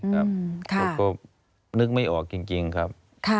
ผมก็นึกไม่ออกจริงครับ